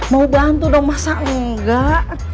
mau bantu dong masak enggak